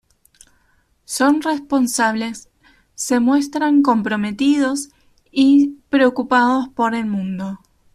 Son responsables, se muestran comprometidos y preocupados por el mundo.